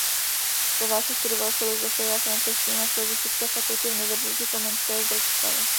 Po válce studoval filozofii a francouzštinu na Filozofické fakultě Univerzity Komenského v Bratislavě.